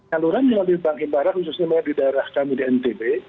saluran melalui bank himbara khususnya di daerah kami di ntb